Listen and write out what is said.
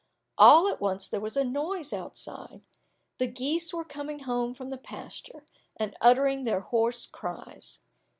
All at once there was a noise outside, the geese were coming home from the pasture, and uttering their hoarse cries.